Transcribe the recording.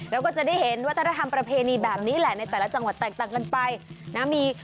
แล้วก็จะได้เห็นวัฒนธรรมประเพณีแบบนี้แหละในแต่ละจังหวัดแตกต่างกันไปนะมี